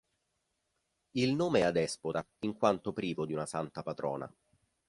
Il nome è adespota, in quanto privo di una santa patrona.